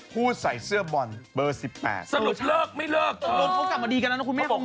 ๑๘นี่คือวันเกิดยา